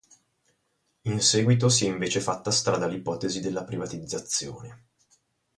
In seguito si è invece fatta strada l'ipotesi della privatizzazione.